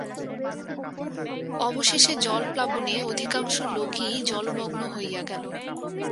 অবশেষে জলপ্লাবনে অধিকাংশ লোকই জলমগ্ন হইয়া গেল।